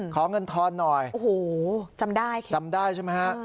ขอเงินทอนหน่อยโอ้โหจำได้ค่ะจำได้ใช่ไหมฮะ